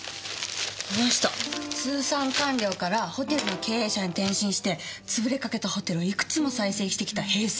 この人通産官僚からホテルの経営者に転身して潰れかけたホテルをいくつも再生してきた平成のホテル王。